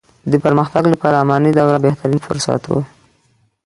د پرمختګ لپاره اماني دوره بهترين فرصت وو.